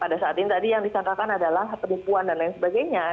pada saat ini tadi yang disangkakan adalah penipuan dan lain sebagainya